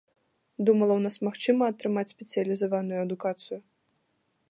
Думала, у нас магчыма атрымаць спецыялізаваную адукацыю.